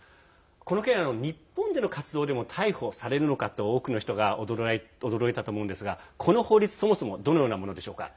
この件、日本での活動でも逮捕されるのかと多くの人が驚いたと思いますがこの法律、そもそもどのようなものでしょうか。